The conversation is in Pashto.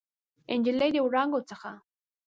نجلۍ د وړانګو څخه